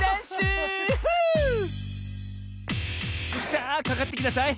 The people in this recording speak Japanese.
さあかかってきなさい！